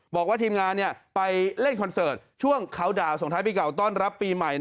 บอกว่าทีมงานไปเล่นคอนเสิร์ตช่วงเขาด่าส่งท้ายปีเก่าต้อนรับปีใหม่